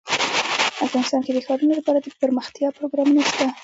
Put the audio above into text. افغانستان کې د ښارونه لپاره دپرمختیا پروګرامونه شته.